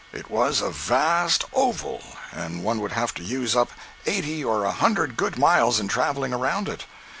It was a vast oval, and one would have to use up eighty or a hundred good miles in traveling around it.